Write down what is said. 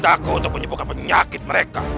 aku untuk menyembuhkan penyakit mereka